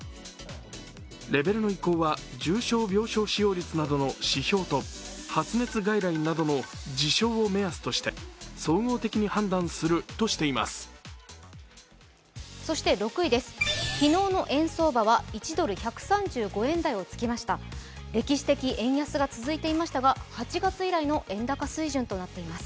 レベルの移行は重症病床使用率などの指標と発熱外来などの事象を目安として総合的に判断するとしています。